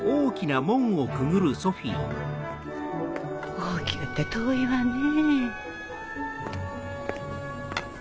王宮って遠いわねぇ。